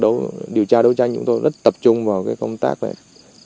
đối với cơ quan điều tra chúng tôi rất tập trung vào công tác tìm kiếm người đàn ông này